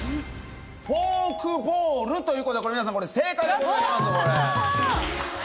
「フォークボール」ということで皆さんこれ正解でございます。